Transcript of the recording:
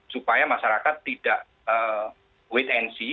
supaya masyarakat tidak wait and see